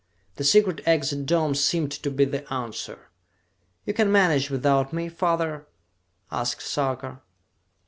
The secret exit dome seemed to be the answer. "You can manage without me, father?" asked Sarka.